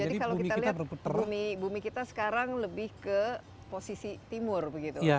jadi kalau kita lihat bumi kita sekarang lebih ke posisi timur begitu